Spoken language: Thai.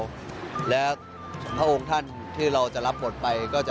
แล้วพระองค์ท่านที่เราจะรับบทไปก็จะ